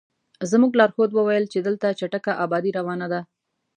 زموږ لارښود وویل چې دلته چټکه ابادي روانه ده.